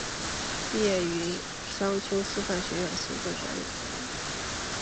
毕业于商丘师范学院行政管理专业。